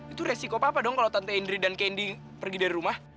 itu resiko papa dong kalau tante indri dan candy pergi dari rumah